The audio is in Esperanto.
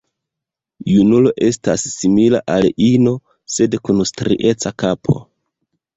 Junulo estas simila al ino, sed kun strieca kapo.